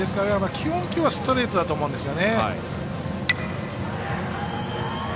基本球はストレートだと思うんですね。